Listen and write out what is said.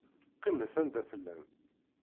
Qqimet anda tellam.